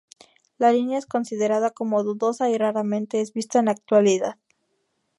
La línea es considerada como dudosa y raramente es vista en la actualidad.